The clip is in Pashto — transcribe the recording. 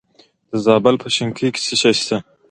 د زابل په شنکۍ کې څه شی شته؟